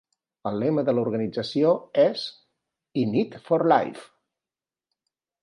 El lema de l'organització és "In it for Life".